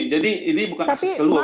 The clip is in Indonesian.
jadi ini bukan akses keluar